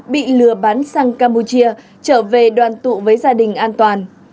bị lừa bán sang campuchia trở về đoàn tụ với gia đình an toàn